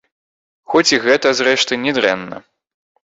Хоць і гэта, зрэшты, не дрэнна.